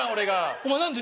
お前何で。